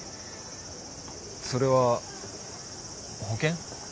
それは保険？